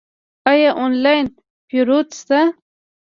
آیا آنلاین پیرود شته؟